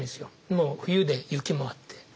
もう冬で雪もあって。